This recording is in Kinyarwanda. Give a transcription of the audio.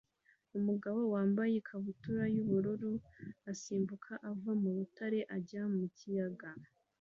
umugabo wambaye ikabutura y'ubururu asimbuka ava mu rutare ajya mu kiyaga